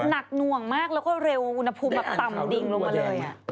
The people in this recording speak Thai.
หน่วงมากแล้วก็เร็วอุณหภูมิแบบต่ำดิ่งลงมาเลย